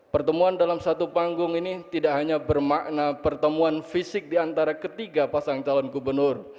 pertemuan dalam satu panggung ini tidak hanya bermakna pertemuan fisik di antara ketiga pasang calon gubernur